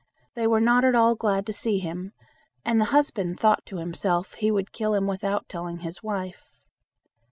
They were not at all glad to see him, and the husband thought to himself he would kill him without telling his wife.